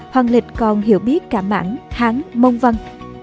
hoàng lịch còn hiểu biết cả mãng thắng mông văn